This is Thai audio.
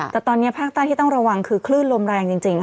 แต่ตอนนี้ภาคใต้ที่ต้องระวังคือคลื่นลมแรงจริง